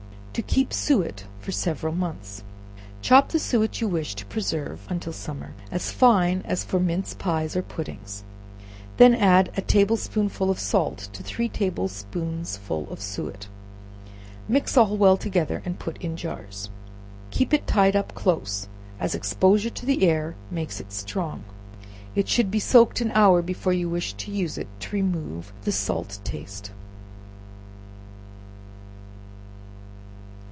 To Keep Suet for several Months. Chop the suet you wish to preserve until summer as fine as for mince pies or puddings, then add a table spoonful of salt to three table spoonsful of suet; mix all well together, and put it in jars. Keep it tied up close, as exposure to the air makes it strong. It should be soaked an hour before you wish to use it, to remove the salt taste.